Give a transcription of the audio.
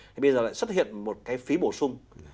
thì bây giờ lại xuất hiện một cái phí bổ sung